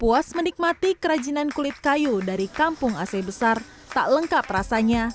puas menikmati kerajinan kulit kayu dari kampung ac besar tak lengkap rasanya